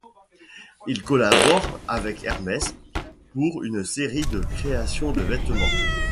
Il collabore avec Hermes pour une série de création de vêtements.